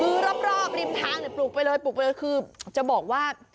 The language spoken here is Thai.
คือรอบรอบริมทางไหนปลูกไปเลยคือจะบอกว่า